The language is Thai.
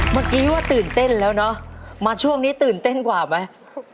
เมื่อกี้ว่าตื่นเต้นแล้วเนอะมาช่วงนี้ตื่นเต้นกว่าไหม